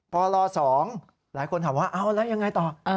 ปล๒หลายคนถามว่าเอาแล้วยังไงต่อ